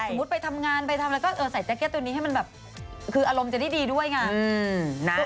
สมมุติไปทำงานไปทำแล้วก็ใส่แจ๊คเก็ตตัวนี้ให้มันแบบคืออารมณ์จะได้ดีด้วยไง